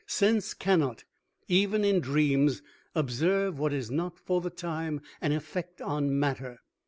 Sense cannot, even in dreams, observe what is not for the time an effect on matter.